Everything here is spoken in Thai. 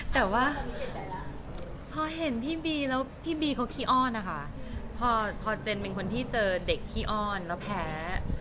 แต่ว่าพอเห็นพี่บีพอพอเจนเป็นคนที่เจอเด็กคี่อ้อนแล้วแพ้